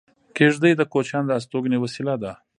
کېږدۍ د کوچیانو د استوګنې وسیله ده